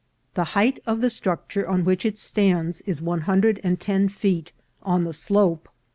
The height of the structure on which it stands is one hundred and ten feet on the slope.